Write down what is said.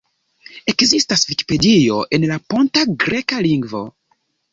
Ekzistas Vikipedio en la ponta greka lingvo.